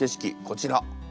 こちら。